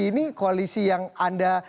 ini koalisi yang anda